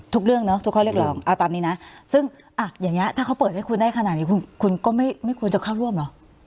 เรื่องเนาะทุกข้อเรียกร้องเอาตามนี้นะซึ่งอ่ะอย่างนี้ถ้าเขาเปิดให้คุณได้ขนาดนี้คุณก็ไม่ควรจะเข้าร่วมเหรอ